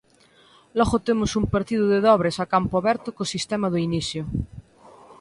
Logo temos un partido de dobres a campo aberto co sistema do inicio.